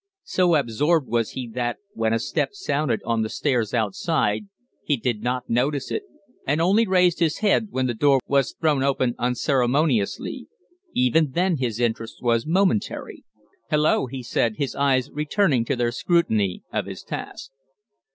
So absorbed was he that, when a step sounded on the stairs outside, he did not notice it, and only raised his head when the door was thrown open unceremoniously. Even then his interest was momentary. "Hullo!" he said, his eyes returning to their scrutiny of his task.